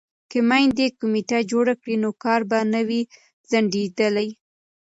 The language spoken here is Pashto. که میندې کمیټه جوړه کړي نو کار به نه وي ځنډیدلی.